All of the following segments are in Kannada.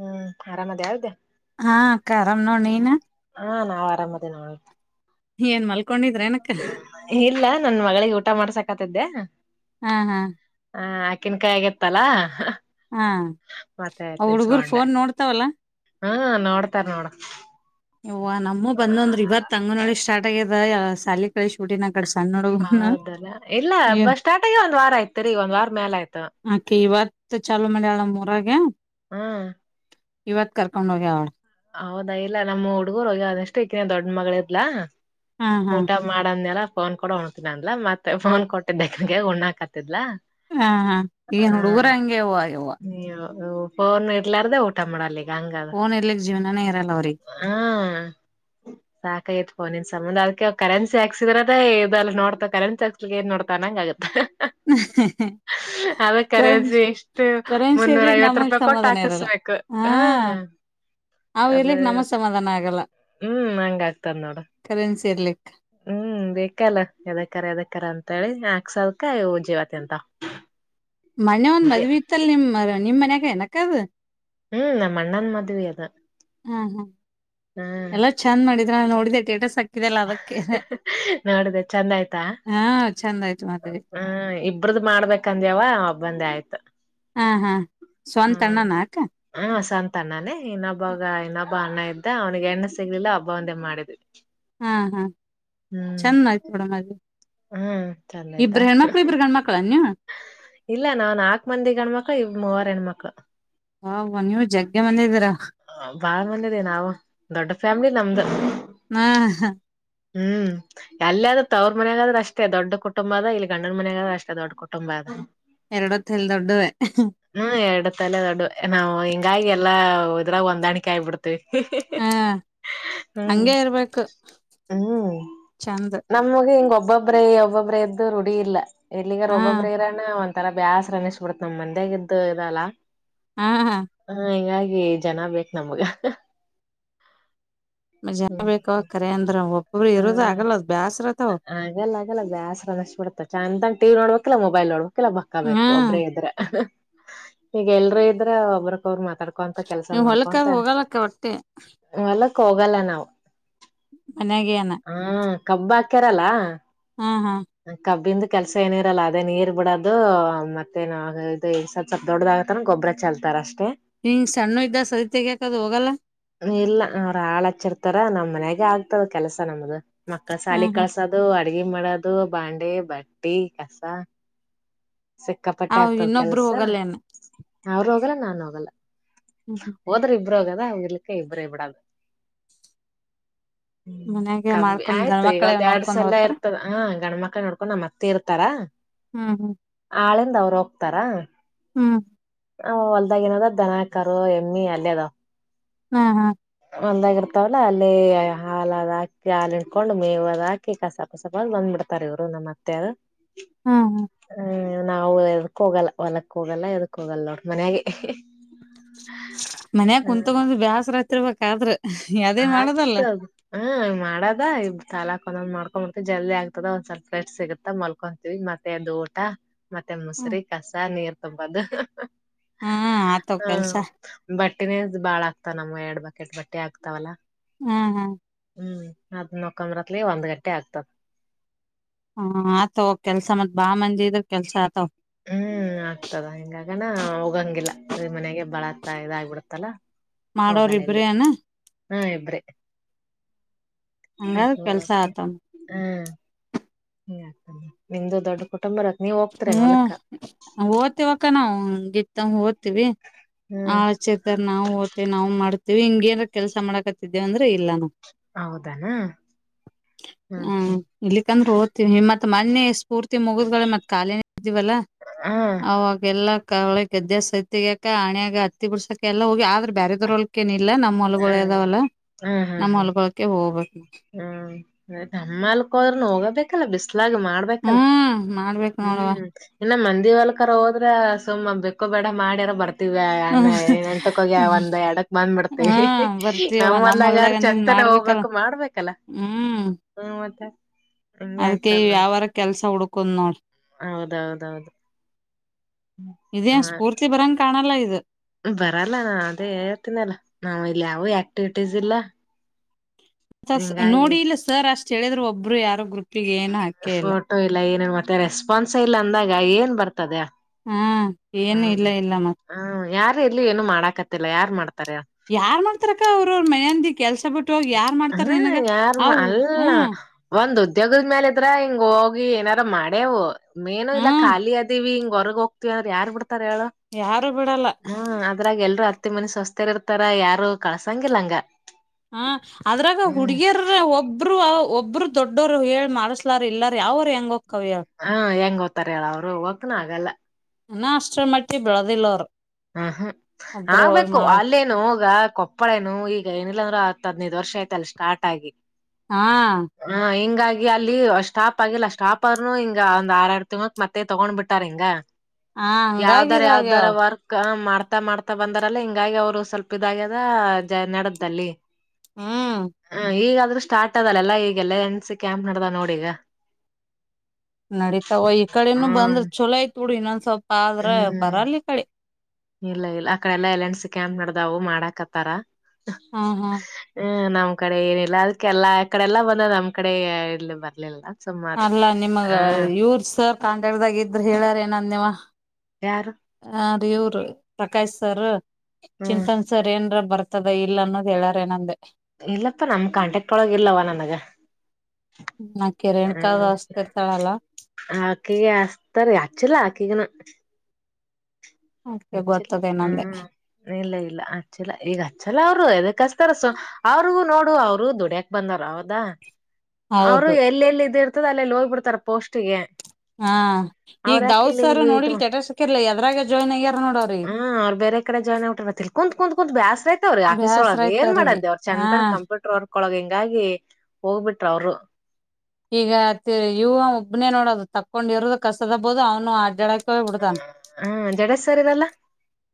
ಹ್ಮ್ ಆರಾಮದ ಯದೇ ಹಾ ಕರಮ ನೋ ನೀನು ಹಾ ನಾವು ಆರಾಮದೇ ನೋಳ ಏನ್ ಮಲ್ ಇಲ್ಲ ನನ್ ಮಗಳಿಗೆ ಊಟ ಮಾಡ್ಸಕತಿದ್ದೆ ಹ್ಮ್ ಹಾ ಹ ಅಕ್ಕಿನ ಕೈಯಾಗ ಗಿತ್ತಲ್ಲಾ ಹಾ ಅವ ಹುಡ್ಗರು ಫೋನ್ ನೋಡ್ತಾವಲ್ಲಾ ಹಾ ನೋಡ್ತಾರ ನೋಡ ಓ ನಮ್ಮೂ ಬಂದ್ದ್ರ ಇವತ್ತು ಅಂಗನವಾಡಿ ಸ್ಟಾರ್ಟ್ ಆಗ್ಯದ ಸಾಲಿ ಕಳಿಸಿ ಬಿಟ್ಟಿದ್ದೇನೆ ಹೌದಲ್ಲ ಇಲ್ಲ ಏ ಬ ಸ್ಟಾರ್ಟ್ ಆಗಿ ಒಂದ್ ವಾರ ಆಯ್ತ್ರಿ ಒಂದ್ ವಾರ ಮೇಾಲ ಆಯ್ತು ಆಕೆ ಇವತ್ತು ಚಲೋ ಮಾಡಲ್ಲ ಊರಗೆ ಹ್ಮ ಇವತ್ ಕರ್ಕೊಂಡ್ ಹೋಗ್ಯ ಅವಳ ಹೌದಾ ಇಲ್ಲ ನಮ್ಮ ಹುಡುಗರು ಹೋಗಿ ಅಷ್ಟು ಈಕಿನ ದೊಡ್ ಮಗಳ್ಲಾ ಹಾ ಹಾ ಊಟ ಮಾಡಂದನಲ್ಲ ಫೋನ್ ಕೂಡ ಉಣ್ತಿನ ಅಲಾ ಮತ್ತೆ ಫೋನ್ ಕೊಟ್ಟಿದ್ದೆಕನ್ಗೆ ಉಣ್ಣಾಕತಿದ ಹಾ ಹ ಈಗನ್ ಹುಡುಗರ ಹಂಗೆವ ಯವ ಫೋನ್ ಇರ್ಲಾರ್ದ ಊಟ ಮಾಡಲಿಕ್ಕೆ ಪೋನ್ ಇಂದ ಜೀವನ ಹ್ಮ ಸಾಖ ಎತ್ ಒನಿನ ಸಂಬಧ ಅದಕ ಕರೆನ್ಸಿ ಹಾಕ್ದ್ರದ ಇದುದೆಲ್ಲ ನೋಡ್ತಾ ಕರೆನ್ಸಿ ಹಾಕ್ಲಿ ನ್ ನೋಡ್ತಾ ಅನಂಗಗತ್ತೆ ಹ್ಮ ಕರೆನ್ಸಿ ಎಷ್ಟು ಕರಂಶ ಮುನ್ನೂರ ಇರ್ಲಿಕ್ ಐವತ್ ನಮಗ್ ರೂಪಾಯಿ ಕೊಟ್ಟು ಸಮಾಧಾನ ಇರಲ್ಲ ಹಾಕಸ್ಬೇಕು ಹಾ ಅವು ಅದು ಇರ್ಲಿಕ್ ನಮ್ಮ ಸಮಾಧಾನ ಆಗಲ್ಲ ಹ್ಮ್ ಹಂಗ ಆಗ್ತದ ನೋಡ ಕರೆನ್ಸಿ ಇರ್ಲಿಕ್ ಅಂತೇಳ ಹೇಳಿ ಯಾಕ್ಸಲ್ಕ ಜೀವತಿ ಅಂತ ಮನೆೆ ಒಂದ ಮದ್ವಿ ಇತ್ತಲ್ ನಿಮ್ ನಿಮ್ ಮನ್ಯಾಗ ಏನಕದ ಹ್ಮ್ ನಮ್ಮ ಅಣ್ಣನ್ ಮಾದುವ ಅದ ಹ್ಮ್ ಹ್ಮ್ ಹ್ಮ್ ಎಲ್ಲಾ ಚಂದ್ ಮಾಡಿದ್ರೆ ನಾ ನೋಡಿದೆೆ ಟೇಟಾಸ್ ಲ್ಲ ಅದಕ್ಕೆ ಹಾ ಚಂದ ಆಯ್ತು ಮದ್ವಿ ಹ್ಮ ಇಬ್ರದು ಮಾಡ್ಬೇಕಕ್ಂದ್ಯಾವ ಒಬ್ಬಂದೇ ಆಯ್ತು ಹಾ ಹಾ ಹ್ಮ ಸ್ವಂತ ಅಣ್ಣನ ಅಕ್ಕ ಹ ಸಂತ ನಾನೇ ಇನ್ನೊಬ್ಬಾಗ ಇನ್ನೊಬ್ಬ ಅಣ್ಣ ಅಂತ ಅವನಿಗೆ ಎಣ್ಣ ಸಿಗ್ಲಿಲ್ಲ ಹಬ್ಬ ಒಂದೇ ಮಾಡಿದ ಹಾ ಹಾ ಚೆಂದ ಆಯ್ತ ನೋಡ ಮದ ಹ್ಮ್ ಚಂದ ಆಯ್ತಾ ಇಬ್ರ ಹೆಣ್ಮಕ್ಳು ಇಬರು ಹೆಣ್ಮಕ್ಳ ನೀವ ಇಲ್ಲ ನಾ ನಾಕ್ ಮಂದಿ ಗಣ್ಮಕ್ಕ ಇ ಮೂವರು ಹೆಣ್ಮಕ್ಕ ಹ್ವ ನೀವು ಜಗ್ಗೆ ಮಂದಿದ್ದೀರಾ ಬಾಳ್ ಮನಿದೆ ನಾವು ದೊಡ್ಡ ಫ್ಯಾಮಿಲಿ ನಮ್ದ ಹ್ಮ ಹ ಹ್ಮ್ ಎಲ್ಲ ಆದ್ರ ಅವ್ರ ಮಯಾಗಾದ್ರ ಅಷ್ಟೇ ದೊಡ್ಡ ಕುಟುಂಬ ಅದ ಇಲ್ಲಿ ಗಂಡನ ಮನಯಾಗಾದ್ರ ಅಷ್ಟೇ ದೊಡ್ಡ ಕುಟ ಒಂಬ ಎರಡೊತ್ತಲ್ ದೊಡ್ಡವೆ ಹ್ಮ ಎರಡು ತಲೆ ದೊಡ್ಡು ನಾವು ಹಿಂಗಾಗಿ ಎಲ್ಲ ಅ್ರ ಒಂದಾಣಿಕ ಆಯಬಡತ ಹಾ ಹ್ಮ್ ಹಂಗೆ ಇರ್ಬೇಕು ಹ್ಮ್ ಚಂದ ನಮ್ಮಗೆ ಹಿಂಗೊಬ್ಬ ಒಬ್ಬ್ರೇ ಒಬ್ಬೊಬ್ರೆ ಎಂದು ರುಡಿಿಯ ಇಲ್ಲ ಇಲ್ಲಿಗಾರ ಹಾ ಒಬ್ಬೊಬ್ರ ಒಥರಾ ಬ್ಯಾಸ್ರ ಅನ್ನಿಸಬಿಡ್ತ ನಮ್ ಮಂದಾಗ ಇದ್ದು ಇದಲ್ಲ ಹಾ ಹ ಜನ ಬೇಕು ನಮ್ಗ ಮಜಾ ಬೇಕ ಕರೆ ಅಂದ್ರ ಒಬ್ಬೊಬ್ರು ಇರದ ಹ್ಮ್ ಆಗಲ್ಲ ಬ್ಯಾಸ್ ಆಗಲ್ಲ ಆಗಲ್ಲ ಬ್ಯಾಸ್ರಷ್ಟ ಬಿಡ್ತ ಚಂದಂಗ ಟಿ ನೋಡ್ಬೇಕಲ್ಲಾ ಮೊಬೈಲ್ ನೋಡ್ಬೇಕಕ್ ಮಕ್ಕಳ ಬಕ್ಕಬೇಕು ಹ್ಮ್ ಒಬ್ಬ್ರೇ ಇದ್ರ ಈಗ ಎಲ್ರೂ ಇದ್ರೆ ಒಬ್ರ ಅವರು ಮಾತಾಡ್ಕೊಂತ ಕೆಲ್ಸ ನೀವ್ ಹೊಲಕ್ಕ ಮಾಡ್ಕೊಂತ ಅದ್ ಹೋಗಲ್ಲಕ್ಕ ಒಟ್ಟೆ ಮಲ್ಲಕ್ ಹೋಗಲ್ಲ ನಾವವು ಅನಾಗಾನ ಕಬ್ಬ ಹಾಕ್ಯಾರಲ್ಲಾ ಹಾ ಹ ಕಬಿದ ಕೆಲ್ಸ ಏನ ಇರಲ್ಲ ಅದೇ ನೀರ್ ಬಿಡೋದು ಮತ್ತೇ ಸ್ಲ್ಪ ದೊಡ್ಡದಾಗತಾನ ಗೊಬ್ಬರ ಚೆಲ್ತಾರ ಅಷ್ಟೆ ಹಿಂಗ್ ಸಣ್ಣು ಇದ್ದ ಸರಿತೆಗ್ಯಾಕದು ಹೋಗಲ್ಲ ಇಲ್ಲ ಅವ್ರ ಹಾಳ ಹಚ್ಚಿರ್ತಾರ ನಮ್ಮ್ ಮನ್ಯಾಗ ಆಗ್ತದ ಕೆಲಸ ನಮ್ದ ಮಕ್ಕಳ ಹಾ ಸಾಲಿ ಹಾ ಕಳಸೋದು ಅಡಗೆ ಮಾಡೋದು ಕ ಬಾಂಡ ಬಟ್ಟಿ ಕಸ ಸಿಕ್ಕಾಪಟ್ಟೆ ಅವ್ ಆಗ್ತದ ಇನ್ನೊಬ್ರು ಕೆಲ್ಸ ಹೋಗಲ್ಲೇನ ಅವರು ಹೋಗಲ್ಲ ನಾ ಹೋಗಲ್ಲ ಹ್ಮ್ ಹ್ಮ್ ಬರೋಗದಾ ಅವಂಗಕ್ಕೆ ಇಬರ ಬಿಡಾದು ಹ್ಮ್ ಮನ್ಯಾಗೆ ಕಮ್ಮಿ ಮಾಡ್ಕೊಂಡ್ ಗಂಡ ಆಯ್ತು ಈಗ ಮಕ್ಕಳೇ ಒಂದ್ ಎರಡ್ ನೋಡ್ಕೊಂಡ್ ಸಲ ಹೋಗ್ತಾರ ಇರ್ತದ ಹ ನಮ್ಮ ಮಕ್ಕ ನೋಡ್ಕೊಂಡ್ ನಮ್ಮ ಅತ್ತೆ ಇರ್ತಾರ ಹ್ಮ್ ಹ್ಮ್ ಆಳಿಂದ ಅವ್ರು ಹೋಗ್ತಾರ ಹ್ಮ್ ಅವ ಹೊಲ್ದಾಗ ಏನದ ದನಕಾರರು ಎಮ್ಮಿ ಅಲ್ಲೇ ಅದಾವ್ ಹ್ಮ ಹಾ ಒಂದಾಗಿ ಇರ್ತಾವಲ್ಲ ಅಲ್ಲಿ ಹಾಲದು ಹಾಕಿ ಹಾಲ ಹಿಟ್ಕೊಂಡು ಮೇವು ಅದು ಹಾಕಿ ಕಸ ಕಸಪ ಅದು ಬಂದ್ಬಿಡ್ತೆ ತರರು ಮತ್ತೆ ಹಾ ಹಾ ಹ್ಮ್ ನಾವು ಎದಕ್ ಹೋಗಲ್ಲ ಹೊಲಕ್ಕ ಹೋಗಲ್ಲ ಎದಕ್ ಹೋಗಲ್ಲ ನೋಡ್ ಮನ್ಯಾಗ ಮನ್ಯ ಕುತ್ಗೊಂಡ ಬೇಾಸ್ರ ಹತಿರ್ಬೇಕಾದ್ರೆ ಆಯ್ತದು ಹ ಮಾಡದ ಇ ಸಾಲಾ ೊಂದ್ ಮಾಡ್ಕೊಂಡ್ಂಬಡ್ತತಿವಿ ಜಲ್ದಿ ಆಗ್ತದ ಒಂದ್ ಸ್ಲ್ ಫ್ರೆಸಿಗುತ್ತತ ಮಲ್ಕೊಂತೀವಿ ಮತ್ತೆದದು ಊಟ ಮತ್ತೆ ಹ್ಮ್ ಮುಸ್ರ ಕಸ ನೀರ್ ತುಂಬದು ಹಾ ಆತವ ಹ ಕೆಲ್ಸ ಬಟ್ಟಿನೇ ಬಾಳ ಆಕ್ತ ನಮ್ ಎರಡ್ ಬಕೆಟ್ ಬಟ್ಟೆ ಆಕ್ತ ಹಾವಲ್ಲ ಹ್ಮ್ ಹ್ಮ್ ಹ್ಮ್ ಅದ ನಕಂಬ್ರತ್ಲಿ ಒಂದ್ ಗಂಟೆ ಆಗ್ತದ ಹ ಆತವ ಕೆಲ್ಸ ಮತ್ ಬಾ ಮಂದಿ ಇದ್ರ ಕೆಲ್ಸ ಆತವ ಹ್ಮ್ ಹ್ಮ ಆಗ್ತದ ಹಿಂಗಾಗನ ಹೋಗಂಗಿಲ್ಲ ಮನೆಗೆ ಬಳತ್ತ ಇದಾಗಬಿಡತ್ತಲ್ಲ ಮಾಡೋರ್ ಹೋಗಲ್ಲ ಇಬ್ರೇ ಎಲ್ಲಿ ಏನ ಹಾ ಇಬ್ರಿ ಹಂಗಾದ್ರ ಕೆಲ್ಸ ಹಾಗ ಆತವ ಹ್ಮ್ ಹ ನಿಮಂದು ದೊಡ್ಡ ಕುಟುಂಬ ರ ಹ್ಮ್ ಓತಿವಕ ನಾವು ಗಿತ್ತ ಹ ವಿ ಆ ಹ್ಮ್ ಆಚರ್ತರ್ ನಾವು ಓವಿ ನಾವು ಮಾಡವಿ ಹಿಂಗೇಏನ್ ಕೆಲಸ ಮಾಡಾಕತ್ತಿದ್ದೇವಂದ್ರೆ ಇಲ್ಲಾವು ಹೌದಾನ ಹ್ಮ್ ಹ ಹ್ಮ್ ಇಲ್ಲಿಕ್ಕಂದ್ರೆ ಓದ್ತೀವಿ ಹಿಮತ್ ಮತ್ತ ಮನ್ನೆ ಸ್ಫೂರ್ತಿ ಮುಗಿದ್ಗಳ ಮತ್ತತ್ ಖಾಲಿ ಇದ್ದೀವಲ್ಲ ಹಾ ಅವಾಗೆಲ್ಲಾ ಕ ಒಳ ಗದ್ದ ಸೈತ್ತಗಾಕ ಅಣ್ಯಾಗ ಹತ್ತಿ ಬಿಡ್ಸಕ ಎಲ್ಲ ಹೋಗಿ ಆದ್ರೆ ಬ್ಯರೆದ್ರೊಳಕ ಇಲ್ಲ ನಮ್ಮ್ ಹೊಲಗ ಹಾ ಇದದಾವಲ್ಲ ಹಾ ನಮ್ಮ್ ಹಾ ಹೊಲ್ಗೊಕ ಹೋಗ್ಬೇಕು ಹ್ಮ್ ನಮ್ಮಲ್ಕ್ದ್ರನು ಹೋಗಬೇಕಲ್ಲ ಬಿಸ್ ಲ ಮಾಡ್ಬೇಕಲ್ಲ ಹ್ಮ್ ಮಾಡ್ಬೇಕ್ ನೋಡವ ಹ್ಮ್ ಇನ್ನು ಮ ದಲ್ಕರ ಹೋದ್ರೆುಮ್ ಬೆಕ್ಕೋ ಬೇಡ ಮಾಡಿಯಾರ ಬರ್ತಾರೆ ಏ ಎಂಟಕೋಗ್ಯ ಒಂದ್ ಎಡಕ್ ಬಂದ್ ಹಾ ಬಿಡ್ತೀವಿ ಬರ್ತೀಯವ್ವ ನಮ್ ನಮ್ಲ್ಗಾರ ಹೊಲ್ದಾಗ ನಿನ್ ಚಂತ ಮಾಡ್ಬೇಕಲ್ಲ ಹೋಗ್ಬೇಕು ಮಾಡ್ಬೇಕಲ್ಲಾ ಹ್ಮ್ ಮದ ಅದ್ಕ ಯ್ಯಾವಾರ ಕೆಲ್ಸ ಹುಡ್ಕದ್ ನೋಡ್ರಿ ಹೌದೌದೌದು ಹ ಕಾಣಲ ಇದು ಬರಲ್ಲ ನಾ ಅದೇ ಹೇಳ್ತೀನಲ್ಲ ನಾವ್ ಇಲ್ಲಿ ಯಾವ ಆಕ್ಟಿವಿಟೀಸ್ ಇಲ್ಲ ಹಿಂಗಾಗಿ ನೋಡಿ ಇಲ್ಲ ಸರ್ ಅಷ್ಟ್ ಹೇಳಿದ್ರು ಒಬ್ಬರು ಯಾರ ಗ್ರರುಪ್ ಫೋಟೋ ಇಲ್ಲ ಏನ ಮತ್ತೆ ರೆಸ್ಪಾನ್ಸ್ ಇಲ್ಲ ಅಂದಾಗ ಏನ್ ಬರ್ತದೆ ಹ್ಮ ಏನು ಹ್ಮ ಇಲ್ಲ ಇಲ್ಲ ಮತ್ತೆ ಹ್ಮ ಯಾರು ಎಲ್ಲಿ ಏನು ಮಾಡಾಕತ್ತಲ್ಲ ಯಾರು ಮಾಡ್ತ ಯಾರ್ ಮಾಡ್ತಾರಕ್ಕ ಅವ್ರ ಮನೆಂದಿ ಕೆಲ್ಸ ಬಿಟ್ಟ ಬಿಟ್ಟೋಗಿ ಯಾರ್ ಹ ಮಾಡ್ತಾರ ನಿನ್ಗ ಯಾರ್ ಮಾ ಅವ ಅಲ್ಲ ಹ್ಮ ಒಂದ್ ಉದ್ಯೋಗದ ಮೇಾಲ ಇದ್ರ ಹಿಂಗ ಹೋಗಿ ಏನಾರ ಮಾಡೇವು ಮೇನು ಇಲ್ಲಾ ಹ್ಮ್ ಖಾಲಿ ಅದಿವ ಹಿಂಗ ಹೊರಗ ಹೋಗ್ತಿವಿ ಅಂದ್ರ ಯಾರ್ ಬಿಡ್ತಾರ ಹೇಳು ಯಾರು ಬಿಡಲ್ಲ ಹ್ಮ ಅದ್ರಾಗ ಎಲ್ರುೂ ಮತ್ತ ಮನಸ ಹೊಸ್ತರ್ ಇರ್ತಾರ ಯಾರು ಕಳ್ಸಂಗಿಲ್ಲಂಗ ಹ ಅದ್ರಾಗ ಹುಡುಗಿಯರ ಒಬ್ರು ಒಬ್ರು ದೊಡ್ಡೋರು ಹೇಳ್ ಮಾಡ್ಸ್ಲಾರ ಇಲ್ಲಾರ ಯಾವರು ಹೆಂಗ ಹೇಳ ಹಾ ಹೆಂಗ ಓ್ತರ ಹೇಳ ಅವರು ಹತನ ಆಗಲ್ಲ ಇನ ಅಷ್ಟ್ರ ಮಟ್ಟಿ ಬೆಳದಿಲ್ಲ ಅವರು ಹ್ಮ್ ಹ್ಮ್ ಆಗ್ಬೇಕು ಅಲ್ಲೇನು ಹೋಗ ಕೊಪ್ಪಳ ನು ಈಗ ಏನಿಲ್ಲಾ ಅಂದ್ರ ಆ ಹ ಹದಿನೈದು ವರ್ಷ ಆಯತಲ್ಲ ಸ್ಟಾರ್ಟ್ ಆಗಿ ಹಾ ಹ ಹ ಹಾಗ ಅಲ್ಲಿ ಸ್ಟಾಪ್ ಆಗಿಲ್ಲ ಸ್ಟಾಪ್ರ್ನು ಹಿಂಗ ಒಂದ್ ಆರ ಆರಡು ತಿಂಳಕ್ ಮತ್ತೆ ತಗೊಂಡ್ ಬಿಟ್ಟಾರ್ ಹಿಂಗ ಹ ಯಾವ್ದಾರ ಯಾವ್ದಾರ ಹಂಗಾಗಿದಾಗ್ಯಾವ ವರ್ಕ್ ಹ ಮಾಡ್ತಾ ಮಾಡ್ತಾ ಬಂದಾರಲ್ಲ ಹಿಂಗಾಗಿ ಅವ್ರು ಸ್ವಲ್ಪ ಇದಾಗ್ಯದ ಜ ನೆಡ್ದಲ್ಲಿ ಹ್ಮ್ ಹಾ ಈಗ ಸ್ಟಾರ್ಟ್ ಅದಲ್ಲಲ್ಲಾ ಈಗೆಲ್ಲ ಎಂಡಸ ಕ್ಯಾಂಪ್ ನಡ್ದ ನೋಡಿ ಈಗ ನಡೀತಾವ ಈ ಕಡೆನುೂ ಹ್ಮ್ ಬಂದ್ರ ಚೊಲೋ ಆಯ್ತ್ ಬಿಡು ಇನ್ನೊಂದ್ ಸ್ವಲ್ಪ ಆದ್ರ ಹ್ಮ್ ಬರಲ್ ಈ ಕಡೆ ಇಲ್ಲ ಇಲ್ಲ ಅಕಡೆ ಎಲ್ಲಾ ಎಲ್ ಎನ್ ಸಿ ಕ್ಯಾಂಪ್ ನಡ್ದವು ಮಾಡಾಕತ್ತಾರ ಹ್ಮ ಹ್ಮ್ ಹ ನಮ್ ಕಡೆ ಏನಿಲ್ಲ ಅದಕ್ಕೆಲ್ಲಾ ಆ ಕಡೆಲ್ಲ ಬಂದ ನಮ್ಮ ಕಡೆ ಇಲ್ಲಿ ಬರ್ಲಿಲ್ಲ. ಸುಮ್ಮಾದೆ ಅಲ್ಲಾ ನಿಮಗ ಹಾ ಇವ್ರ ಸರ್ ಕಾಂಟ್ಯಾಕ್ಟದಾಗ ಇದ್ರರು ಹೇಳಾರ ಏನ ಅನ್ನೆವಾ ಯಾರು ಇವರು ಪ್ರಕಾಶ್ ಸರ್ ಹ್ಮ್ ಚಿಂತನ್ ಸರ್ ಏನ್ರ ಬರ್ತದ ಇಲ್ಲ ಅನ್ನೋದು ಹೇಳಾರ ನಂದೇ ಇಲ್ಲಪ್ಪಾ ನಮ್ ಕಾಂಟ್ಯಾಕ್ಟ್ ಒಳಗ ಇಲ್ಲವ ನನಗ ಆಕಿ ರೇಣುಕಾಗ ಹ ಹಚ್ತಿರ್ತಾಳಲ್ಲ ಹಾಕಿಗೆ ಅಸ ತ್ತಾರೆ ಆಚ್ಚಿಲ್ಲಾ ಆಕಿ ಈಗನ ಅದ್ಕೆ ಹಚ್ಚಿಲ್ಲ ಗೊತ್ತದೇನಂದೆ ಹ್ಮ್ ಇಲ್ಲ ಇಲ್ಲ ಹಚ್ಚಿಲ್ಲ ಈಗ ಹಚ್ಚಲ್ಲ ಅವರು ಎದಕ್ಕಸ ತಸ ಅವ್ರಗೂ ನೋಡು ಅವರು ದುಡಿಯಕ್ ಬಂದಾರ ಹೌದ ಅವರು ಹೌದು ಎಲ್ಲೆಲ್ಲ ಇದ ಹದಲ್ಲ ಹೋಗ್ಬಿಡ್ತಾರೆ ಅಲ್ಲೆಲೆ ಹೋಗಿ ಬಿಡತಾರ ಪೋಸ್ಟ್ ಗೆ ಹಾ ಈಗ ದಾವಸಾರ ಇದು ನೋಡಿಲ್ ಸ್ಟೇಟಸ್ ಇಟ್ಟಿದರಲ್ ಎದ್ರಾಗ ಜಾಯ್ನ್ ಆಗ್ಯಾರ ನೋಡ ಹ್ಮ್ ಅವ್ ಬೇರೆ ಕಡೆ ಜಾಯನ್ ಆಗಿಟ್ಟಾರತ್ತ ಕುತ್ ಕುತ್ ಕುೂತ್ ಬ್ಯಾಸ್ರ ಐತೆ ಅವ್ರಿ ಆಫೀಸ್ ಬ್ಯಾಸ್ರ ಒಳಗ ಆಯ್ತ್ ಏನ್ ಅವ್ರಿಗಿ ಮಾಡ್ದೆ ಅವರ ಹಾ ಚಂಚತನ ಕಂಪ್ಯೂಟರ್ ವರ್ಕ್ ಒಳಗ್ ಹಿಂಗಾಗಿ ಹೋಗ್ಬಿಟ್ರ ಅವರು ಈಗ ಇವು ಒಬ್ನೇ ನೋಡೋದು ತಕೊಂಡ್ ಇರೋದು ಕಸದಬಹದು ಅವ್ನು ಅಡ್ಯಾಡ ಹ್ಮ ಜಡೇಶ ಸರ್ ಗಲ್ಲ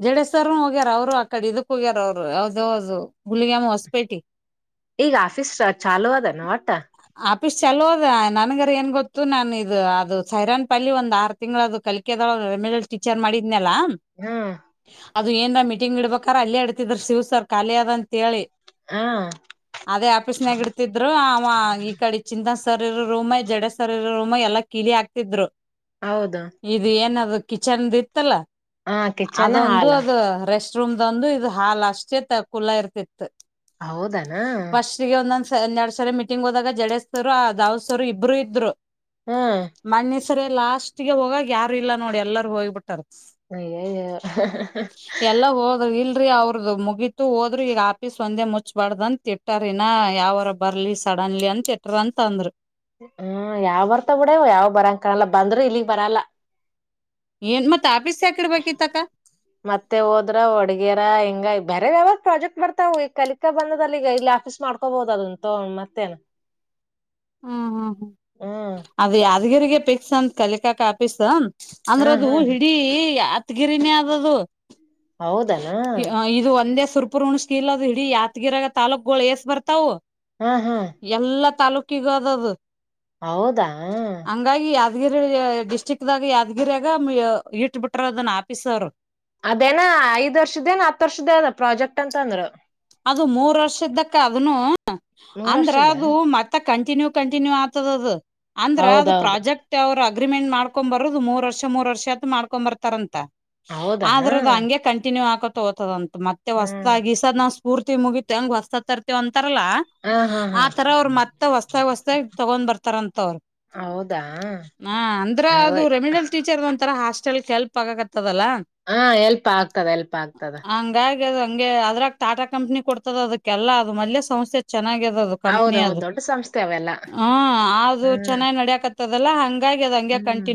ಜಡೇಜ್ ಸರ್ ಹೋಗ್ಯಾರ ಅವ್ರು ಆಕಡೆ ಇದಕ್ ಹೋಗ್ಯಾರ ಅವ್ರು ಯಾವ್ದ ಯಾವ್ದು ಹುಲಿಗೆಮ್ಮ ಹೊಸಪೇಟಿ ಈಗ ಆಫೀಸ್ ಚಾಲೂ ಅದಾನ ಒಟ್ಟ ಆಫೀಸ್ ಚಲೋದ ನನ್ಗರ ಏನ್ ಗೊತ್ತು ನಾನ ಇದು ಅದು ಸೈರಾನ್ ಪಲ್ಲಿ ಒಂದ್ ಆರು ತಿಂಗಳ ಅದು ಕಲಕದ ಎಮ್ ಎಲ್ ರ ಟೀಚರ್ ಮಾಡಿದ್ನಾ ಹ್ಮ್ ಅದು ಏನರ ಮೀಟಿಂಗ್ ಇಡ್ಬೇಕಾರ ಅಲ್ಲಿ ಇಡ್ತಿದ್ರ ಶಿವ್ ಸರ್ ಖಾಲಿ ಅದ ಅಂತ ಹೇಳಿ ಹ ಅದೇ ಆಫೀಸ್ನಾಗ ಇಡ್ತಿದ್ರು ಅವ ಈ ಕಡೆ ಚಿಂತಸ್ ಸರ್ ಇರೋ ರೂಮ ಜಡೆ ಸರ್ ಇರೋ ರೂಮ ಎಲ್ಲ ಕೀಲಿ ಹಾಕ್ತಿದ್ರು ಹೌದು ಇದು ಏನದ ಕಿಚನ್ ದ ಇತ್ತಲ್ಲ ಹ ಕಿಚನ್ ಅದೊಂದು ಹಾಲ್ ಅದು ರೆಸ್ಟ್ ರೂಮ್ದ ಒಂದು ಇದು ಹಾಲ್ ಅಷ್ಟೇ ಕುುಲ್ಲಾ ಇರ್ತಿತ್ತ. ಹೌದನ ಹನ್ನೆರಡ್ ಸರೆ ಮೀಟಿಂಗ್ ಹೋದಾಗ ಜಡೇಜ್ ಸರ್ ದಾವರ ಸರ್ ಇಬ್ರು ಇದ್ರು ಹ್ಮ್ ಮನ್ನೆ ಸರಿ ಲಾಸ್ಟ್ ಗೆ ಹೋಗಾಗ ಯಾರು ಇಲ್ಲ ನೋಡಿ ಎಲ್ಲರ ಹೋಗಿಬಿಟ್ಟಾರ ಹ ಅವ್ರದ ಮುಗೀತು ಹೋದ್ರಿ ಈಗ ಆಫೀಸ್ ಒಂದೇ ಮುಚ್ಬಾರ್ದ ತಿಟ್ಟಾರನಾ ಯಾವರ ಬರ್ಲಿ ಸಡ್ ಕಡನ್ಲಿ ಅಂತ ಇಟ್ರ ಅಂತ ಅಂದರು ಹ್ಮ ಯಾವ್ ಬರ್ತಾವ ಬಿಡವ್ ಯಾವ್ ಬರಂಗ ಕಾಣಲ್ಲ ಬಂದ್ರ ಇಲ್ಲಿಗ್ ಬರಲ್ಲ. ಏನ್ ಮತ್ತ ಆಫೀಸ್ ಯಾಕ್ ಇಡ್ಬೇಕಿತ್ತಕ್ಕ ಮತ್ತೆ ಹೋದ್ರ ಹೊಡಗ್ಯರ ಹಂಗ ಬೇರೆ ಯಾವ್ದ್ ಪ್ರಾಜೆಕ್ಟ್ ಬರ್ತಾವ ಈ ಕಲಿಕಾ ಬಂದದಲ್ಲಿ ಈಗ ಇಲ್ಲಿ ಆಫೀಸ್ ಮಾಡ್ಕೋಬಹದು ಅದಂತ ಮತ್ತೇನ [inaudible] ಹ್ಮ್ ಹ್ಮ್ ಹ್ಮ್ ಹ್ಮ್ ಅದು ಯಾದಗಿರಿಗೆ ಪಿಕ್ಸ್ ಅಂತ ಕಲಿಕಾಕ ಆಫೀಸ್ ಅಂದ್ರ ಹ್ಮ್ ಅದು ಹ್ಮ್ ಹಿಡೀ ಹತ್ಗಿರಿನಿ ಆದದದು ಹೌದನ ಸುರಪುರ ಉಣ್ಸಕ ಇಲ್ ಅದು ಹಿಡಿ ಯಾತ್ಗಿರ ತಾಲೂಕುಗಳು ಏಸ್ ಬರ್ತಾವು ಹಾ ಹಾ ತಾಲುಕಿಗದದು ಹೌದಾ ದಿರಳಿಯ ಡಿಸ್ಟ್ರಿಕ್ ದಾಗ ಯಾದಗಿರಿಯಾಗ ಇಟ್ಬಿಟ್ರ ಅದನ್ನ ಆಫೀಸ್ ಅವರು ಅದೇನ ಐದ್ ವರ್ಷದ್ದೇನ ಹತ್ ವರ್ಷದ್ದ ಅದ ಪ್ರಾಜೆಕ್ಟ್ ಅಂತ ಅಂದ್ರ ಅದು ಮೂರ್ ವರ್ಷದ ಅಕ್ಕ ಅದನು ಮೂರ್ ಅಂದ್ರ ವರ್ಷದ ಅದು ಮತ್ತಕ್ಕ ಕಂಟಿನ್ಯೂ ಕಂಟಿನ್ಯೂ ಆತದ ಅದ ಅಂದ್ರೆ ಅದು ಹೌದೌದು ಪ್ರಾಜೆಕ್ಟ್ ಅವ್ರ ಅಗ್ರಿಮೆಂಟ್ ಮಾಡ್ಕೊಂಡು ಬರೋದು ಮೂರ್ ವರ್ಷ ಮೂರ್ ವರ್ಷ ಅತ್ ಮಾಡ್ಕೊಂಡ್ ಬರ್ತಾರಂತ. ಹೌದನ ಆದ್ರೆ ಅದು ಹಂಗೆ ಕಂಟಿನ್ಯೂ ಆತದ. ತಗೋತದ ಅಂತ ಮತ್ತೆ ಹ್ಮ್ ಹೊಸದಾಗಿ ಈ ಸದ್ದ ನಾವು ಸ್ಫೂರ್ತಿ ಮುಗಿತ ಹೆಂಗ ಹೊಸದಾಗಿ ತರ್ತಿವಂತ ತರಲ್ಲ ಹ ಹಾ ಹಾ ಆ ತರ ಅವರು ಮತ್ತೆ ಹೊಸದಾಗಿ ಹೊಸದಾಗಿ ತಗೊಂಡ್ ಬರ್ತಾರಂತ ಅವರ. ಹೌದಾ ಹ ಅಂದ್ರ ಅಯ್ಯೋ ಅದು ರೆಮಿಡಲ್ ಟೀಚರ್ ಒಂಥರ ಹಾಸ್ಟೆಲ್ ಹೆಲ್ಪ್ ಆಗಕತ್ತ ಹಾ ಹೆಲ್ಪ್ ಆಗ್ತದ ಹೆಲ್ಪ್ ಆಗ್ತದ. [unintelligible] ಹಂಗೆ ಅದ್ರಾಗ ಟಾಟಾ ಕಂಪ್ನಿ ಕೊಡ್ತದ ಅದಕ್ಕೆಲ್ಲ ಅದು ಮೊದ್ಲೆ ಸಂಸೆಚ್ಚ ಚೆನ್ನಾಗಿದದ ಕಂಪನಿ ಹೌದೌದು ಅದು ದೊಡ್ಡ ಸಂಸ್ಥೆ ಅವೆಲ್ಲ ಹಾ ಅದು ಹ್ಮ್ ಚೆನ್ನಾಗಿ ನಡಿಯಾಕತ್ತೆದೀ ಅಲಾ ಹ್ಮ್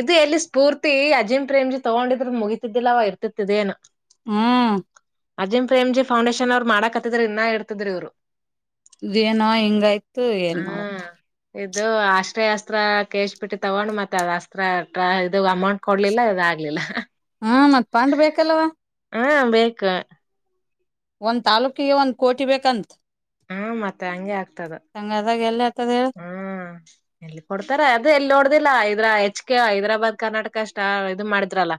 ಇದು ಎಲ್ಲಿ ಸ್ಫೂರ್ತಿ ಅಜೀಂ ಪ್ರೇಮ್ಜಿ ತಗೊಂಡಿದ್ರ ಮುಗಿತ ಇದ್ದಿಲ್ಲವ ಇರ್ತತಿತ್ತ ಇದೇನ್. ಹ್ಮ್. ಅಜಿಂ ಪ್ರೇಮ್ಜಿ ಫೌಂಡೇಶನ್ ಅವ್ರು ಮಾಡಕತ್ತಿದ್ರ ಇನ್ನ ಇರ್ತಿದ್ರಿ ಇವ್ರು. ಇದೇನೋ ಹಿಂಗಾಯ್ತು ಏನ್ತ ಆತ. ಹ್ಮ ಇದು ಆಶ್ರಯ ಅಸ್ತ್ರ ಕೇಳಿಸಿ ಬಿಟ್ಟಿತ್ತ ಅವ್ವನು ಮತ್ತ ಅದ ಅಸ್ತ್ರ ಟ್ರೈ ಇದ ಅಮೌಂಟ್ ಕೊಡ್ಲಿಲ್ಲ ಇವರ ಆಗಲಿಲ್ಲ. ಹ್ಮ ಮತ್ ಫಂಡ್ ಬೇಕಲ್ವಾ? ಹಾ ಬೇಕು. ಒಂದ್ ತಾಲೂಕಿಗೆ ಒಂದ್ ಕೋಟಿ ಬೇಕಂತ. ಹ್ಮ ಮತ್ತೆ ಹಂಗೆ ಆಗ್ತದ. ಹಂಗಾದಾಗ ಎಲ್ಲಿ ಆತದ ಹೇಳ ಹ್ಮ್ ಎಲ್ಲಿ ಕೊಡ್ತಾರ ಅದು ಎಲ್ಲಿ ನೋಡ್ದಿಲ್ಲ. ಅಂದ್ರ ಹೆಚ್ ಕೆ ಹೈದರಾಬಾದ್ ಕರ್ನಾಟಕ ಅಷ್ಟ ಇದು ಮಾಡಿದ್ರಲ್ಲ.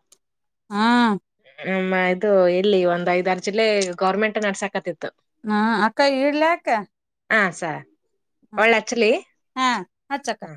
ಹಾ. ಅ ಇದು ಎಲ್ಲಿ ಒಂದ್ ಐದಾರ ಜಿಲ್ಲೆ ಗೌರ್ಮೆಂಟ್ ನಡ್ಸಕತಿತ್ತು. ಹಾ ಅಕ್ಕ ಇಡ್ಲಾ ಅಕ್ಕ. ಹಾ ಸರಿ. ಹ್ಮ. ಹಾ [inaudible] ಹಚ್ಚ ಅಕ್ಕಾ. ಹ